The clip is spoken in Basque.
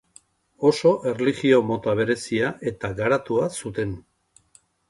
Oso erlijio-mota berezia eta garatua zuten.